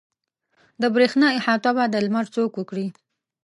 د برېښنا احاطه به د لمر څوک وکړي.